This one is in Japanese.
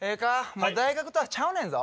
もう大学とはちゃうねんぞ。